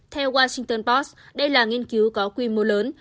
theo washington post đây là nghiên cứu có quy mô lớn